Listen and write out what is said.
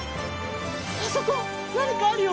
あそこなにかあるよ！